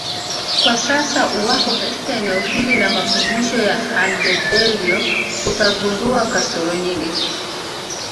Kwa sasa uwapo katika eneo hili la makumbusho ya Handebevyo utagundua kasoro nyingi